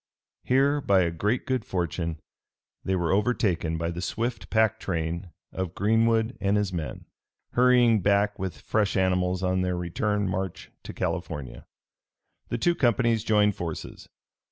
Here by great good fortune they were overtaken by the swift pack train of Greenwood and his men, hurrying back with fresh animals on their return march to California. The two companies joined forces.